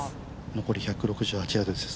残り１６８ヤードです。